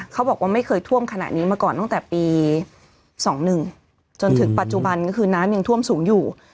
เขาบอกว่าไม่เคยท่วมขนาดนี้มาก่อนตั้งแต่ปี๒๑จนถึงปัจจุบันก็คือน้ำยังท่วมสูงอยู่